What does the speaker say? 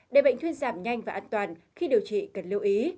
để bệnh thuyê giảm nhanh và an toàn khi điều trị cần lưu ý